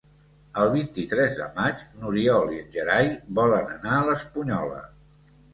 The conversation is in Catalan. El vint-i-tres de maig n'Oriol i en Gerai volen anar a l'Espunyola.